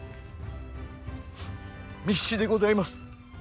密旨でございます。